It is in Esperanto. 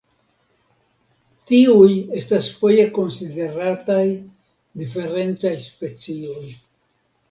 Tiuj estas foje konsiderataj diferencaj specioj.